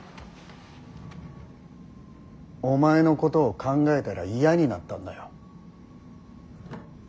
お前のことを考えたら嫌になったんだよ。